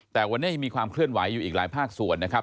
แต่วันนี้ยังมีความเคลื่อนไหวอยู่อีกหลายภาคส่วนนะครับ